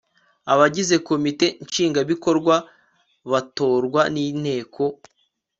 abagize komite nshingwabikorwa batorwa n'inteko